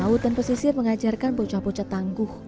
laut dan pesisir mengajarkan bocah bocah tangguh